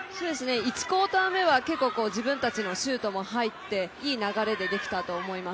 １クオーター目は自分たちのシュートも入っていい流れでできたと思います。